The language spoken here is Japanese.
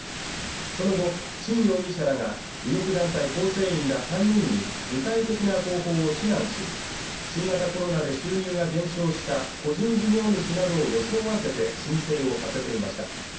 その後陳容疑者らが右翼団体構成員が３人に具体的な方法を指南し新型コロナで収入が減少した個人事業主などを装わせて申請をさせていました